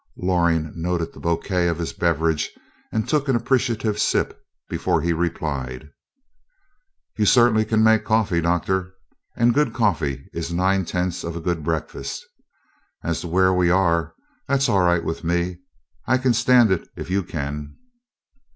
Loring noted the bouquet of his beverage and took an appreciative sip before he replied. "You certainly can make coffee, Doctor; and good coffee is nine tenths of a good breakfast. As to where we are that's all right with me. I can stand it if you can."